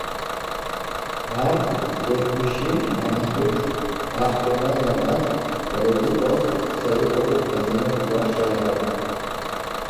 Ар зэшыпхъуищым анахьыкӏ, ахэмэ янэр орэдыӏо цӏэрыӏоу Мэзэнэф-Гуащэр ары.